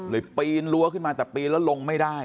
ปีนรั้วขึ้นมาแต่ปีนแล้วลงไม่ได้